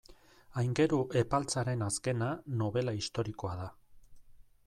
Aingeru Epaltzaren azkena, nobela historikoa da.